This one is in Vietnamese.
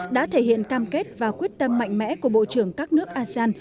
đã thể hiện cam kết và quyết tâm mạnh mẽ của bộ trưởng các nước asean